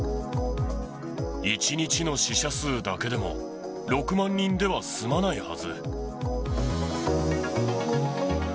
１日の死者数だけでも、６万人では済まないはず。